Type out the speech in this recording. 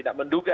tidak menduga ya